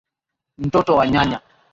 Mtoto wa nyanya.